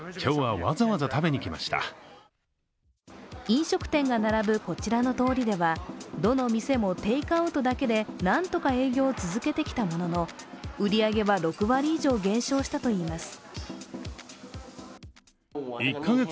飲食店が並ぶこちらの通りではどの店もテイクアウトだけでなんとか営業を続けてきたものの売り上げは６割以上減少したといいます。